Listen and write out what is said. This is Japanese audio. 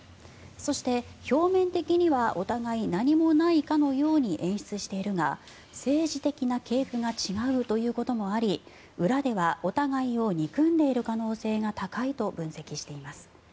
そして、表面的にはお互い何もないかのように演出しているが政治的な系譜が違うということもあり裏ではお互いを憎んでいる可能性が高いと分析しています。